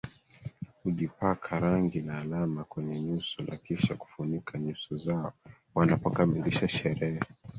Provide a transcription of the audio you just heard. hujipaka rangi na alama kwenye nyuso na kisha kufunika nyuso zao wanapokamilisha sherehe